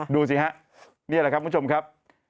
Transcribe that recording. ดูสิฮะนี่แหละครับคุณผู้ชมครับ